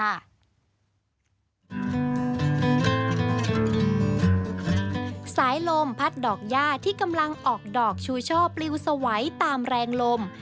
สายลมพัดดอกย่าที่กำลังออกดอกชูช่อปลิวสวัยตามแรงลม